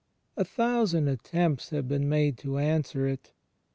A thousand attempts have been made to answer it.